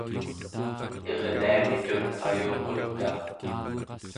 irniamitun ayuqutaa